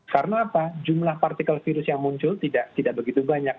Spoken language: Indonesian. karena apa jumlah partikel virus yang muncul tidak begitu banyak